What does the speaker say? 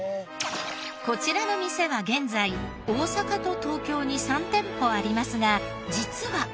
こちらの店は現在大阪と東京に３店舗ありますが実は。